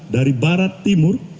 dari barat timur